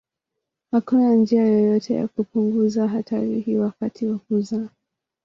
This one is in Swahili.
Hakuna njia yoyote ya kupunguza hatari hii wakati wa kuzaa.